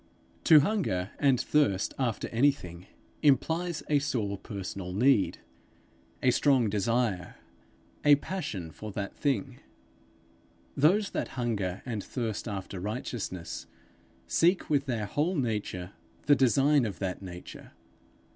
To hunger and thirst after anything, implies a sore personal need, a strong desire, a passion for that thing. Those that hunger and thirst after righteousness, seek with their whole nature the design of that nature.